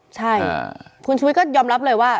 ใช่คุณชุวิตก็ยอมรับเลยว่า